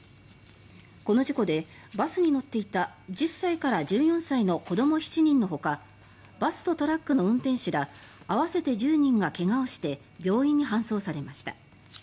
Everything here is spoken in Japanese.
この事故でバスに乗っていた１０歳から１４歳の子ども７人のほかバスとトラックの運転手ら合わせて１０人が怪我をして病院に搬送されました。